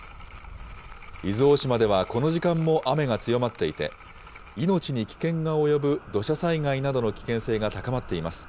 伊豆大島ではこの時間も雨が強まっていて、命に危険が及ぶ土砂災害などの危険性が高まっています。